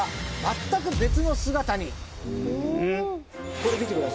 これ見てください